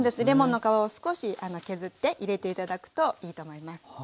レモンの皮を少し削って入れて頂くといいと思います。